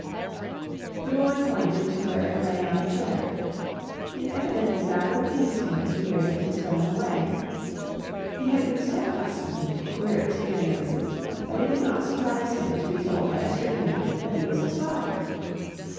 The boy pointed to where it lay on a chair. It evidently rather pleased him to hear that he was going away. He had been so accustomed to queer experiences that it did not surprise him to be told by a stranger that he was his father.